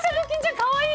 かわいい。